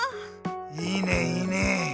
いいねいいね！